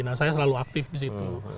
nah saya selalu aktif di situ